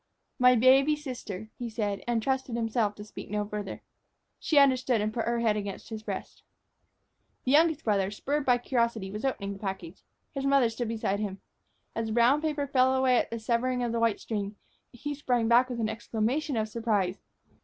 "My baby sister!" he said, and trusted himself to speak no further. She understood, and put her head against his breast. The youngest brother, spurred by curiosity, was opening the package. His mother stood beside him. As the brown paper fell away at the severing of the white string, he sprang back with an exclamation of surprise.